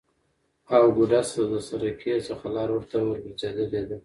او گوډه د سرک څخه لار ورته ورگرځیدلې ده،